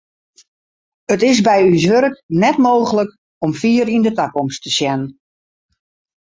It is by ús wurk net mooglik om fier yn de takomst te sjen.